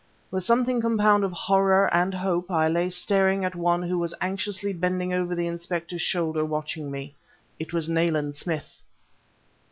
With something compound of horror and hope I lay staring at one who was anxiously bending over the Inspector's shoulder, watching me. _It was Nayland Smith.